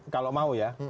kalau mau ya